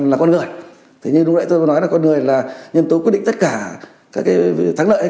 là con người thì như lúc nãy tôi nói là con người là nhân tố quyết định tất cả các cái thắng lợi hay